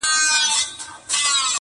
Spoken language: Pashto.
• د سړیو سره خواته مقبره کي,